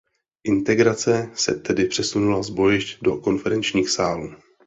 Integrace se tedy přesunula z bojišť do konferenčních sálů.